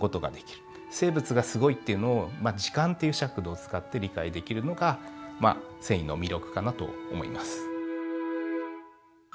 生物がすごいっていうのを時間という尺度を使って理解できるのがまあ遷移の魅力かなと思います。